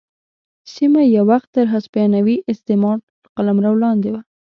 سیمه یو وخت تر هسپانوي استعمار قلمرو لاندې وه.